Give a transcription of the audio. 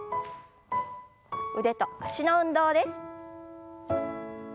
腕と脚の運動です。